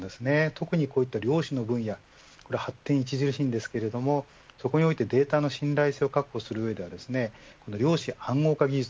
特にこういった量子の分野発展著しいのですがそこにおいて、データの信頼性を確保する上では量子暗号化技術